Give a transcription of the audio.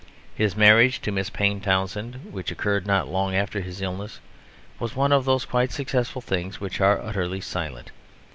His marriage to Miss Payne Townsend, which occurred not long after his illness, was one of those quite successful things which are utterly silent.